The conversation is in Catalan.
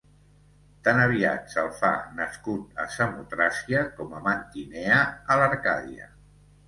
Tan aviat se'l fa nascut a Samotràcia com a Mantinea, a l'Arcàdia.